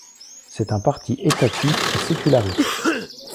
C'est un parti étatiste et séculariste.